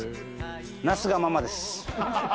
なすがままです。